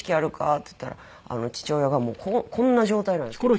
っつったら父親がもうこんな状態なんですけど寝て。